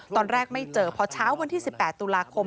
ตอนแรกไม่เจอพอเช้าวันที่๑๘ตุลาคม